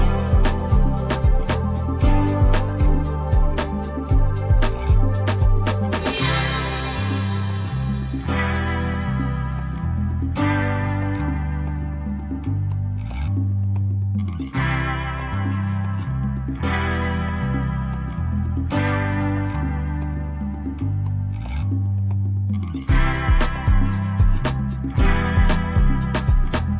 วางอยู่ที่แผงที่ฝรา